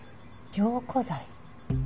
凝固剤。